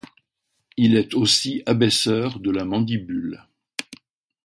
Il est aussi abaisseur de la mandibule.